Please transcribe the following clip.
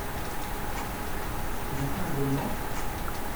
Tu n'as pas un Delna ?